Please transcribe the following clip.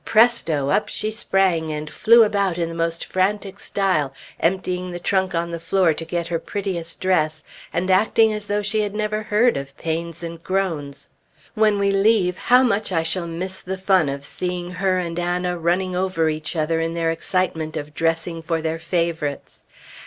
Presto! up she sprang, and flew about in the most frantic style, emptying the trunk on the floor to get her prettiest dress, and acting as though she had never heard of pains and groans. When we leave, how much I shall miss the fun of seeing her and Anna running over each other in their excitement of dressing for their favorites.